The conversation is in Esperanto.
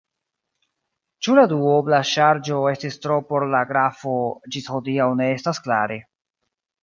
Ĉu la duobla ŝarĝo estis tro por la grafo ĝis hodiaŭ ne estas klare.